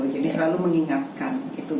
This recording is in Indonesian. jadi selalu mengingatkan gitu